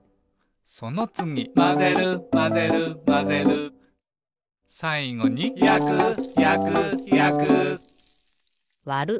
「そのつぎまぜるまぜるまぜる」「さいごにやくやくやく」「わる」